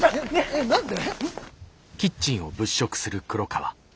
えっ何で？